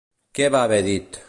Què va haver dit.